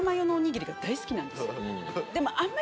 でもあんまり。